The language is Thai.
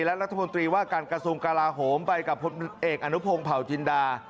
และรัฐพนตรีว่าการกระทรวงการาโหมไปกับผู้เป็นเอกอนุโพงเผาจินดา